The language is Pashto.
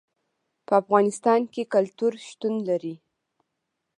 په افغانستان کې کلتور شتون لري.